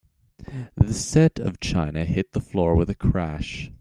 The set of china hit the floor with a crash.